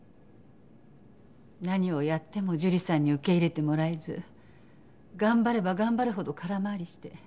何をやっても樹里さんに受け入れてもらえず頑張れば頑張るほど空回りして。